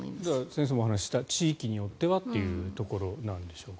先生もお話しした地域によってはというところなんでしょうか。